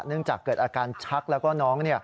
เนื่องจากเกิดอาการชักแล้วก็น้อง